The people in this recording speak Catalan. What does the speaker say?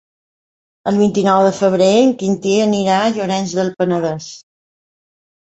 El vint-i-nou de febrer en Quintí anirà a Llorenç del Penedès.